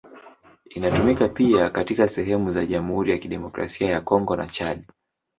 Inatumika pia katika sehemu za Jamhuri ya Kidemokrasia ya Kongo na Chad.